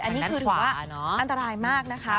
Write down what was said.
อันนี้คือถือว่าอันตรายมากนะคะ